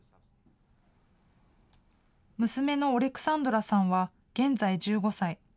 娘のオレクサンドラさんは、現在１５歳。